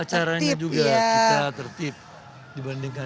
dan tertip acaranya juga